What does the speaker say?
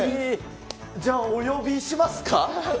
じゃあお呼びしますか？